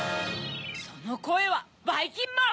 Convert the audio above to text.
そのこえはばいきんまん！